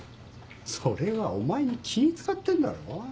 それはお前に気使ってんだろ。